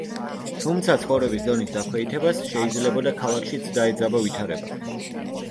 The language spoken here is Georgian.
თუმცა ცხოვრების დონის დაქვეითებას შეიძლებოდა ქალაქშიც დაეძაბა ვითარება.